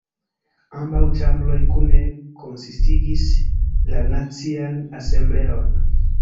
Ambaŭ ĉambroj kune konsistigis la Nacian Asembleon.